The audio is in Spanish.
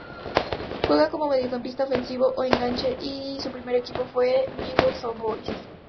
Juega como mediocampista ofensivo o enganche y su primer equipo fue Newell's Old Boys.